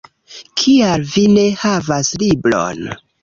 Kial vi ne havas libron?